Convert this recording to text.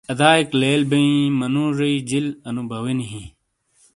ادئیئک لیل بیئن منُوژیئی جِیل اَنُو باوینی ہِیں۔